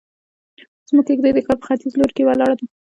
زموږ کيږدۍ د ښار په ختيز لور کې ولاړه ده.